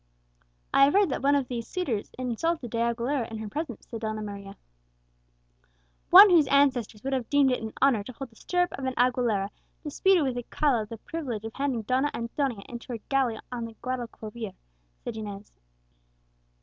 "I have heard that one of these suitors insulted De Aguilera in her presence," said Donna Maria. "One whose ancestors would have deemed it an honour to hold the stirrup of an Aguilera disputed with Alcala the privilege of handing Donna Antonia into her galley on the Guadalquivir," said Inez.